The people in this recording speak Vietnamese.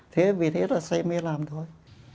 thế vì thế là say mê làm thôi